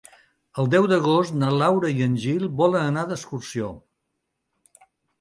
El deu d'agost na Laura i en Gil volen anar d'excursió.